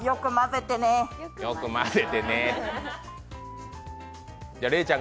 よく混ぜてね。